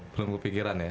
belum kepikiran ya